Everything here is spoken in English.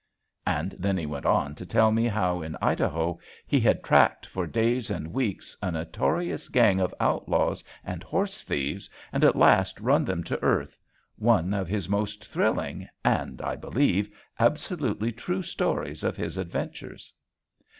And then he went on to tell me how in Idaho he had tracked for days and weeks a notorious gang of outlaws and horse thieves and at last run them to earth, one of his most thrilling and, I believe, absolutely true stories of his adventures.